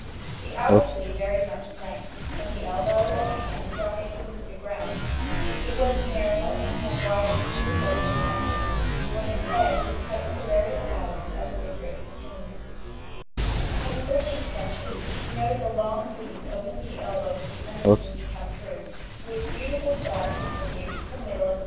The outer sleeve varied much in length, from the elbow or hand dropping even to the ground; it was narrow and widened through the 14th century, when its edge was cut into various patterns as in Fig. 18 (see p. 79). In the 13th century we notice a long sleeve opened at the elbow for the under sleeve to come through, which beautiful style continued to the middle of the 17th century. [Illustration: FIG.